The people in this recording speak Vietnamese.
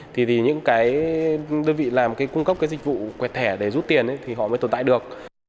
thì những cái đơn vị làm cái cung cấp cái dịch vụ quẹt thẻ để rút tiền thì họ mới tồn tại được